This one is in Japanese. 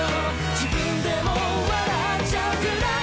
自分でも笑っちゃうくらい」